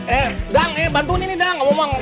eh dang bantuin ini dang